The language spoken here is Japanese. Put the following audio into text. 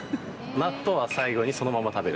納豆は最後にそのまま食べる。